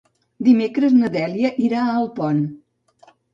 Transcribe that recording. Dimecres na Dèlia irà a Alpont.